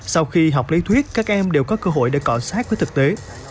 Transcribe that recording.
sau khi học lý thuyết các em đều có cơ hội để cọ sát với thực tế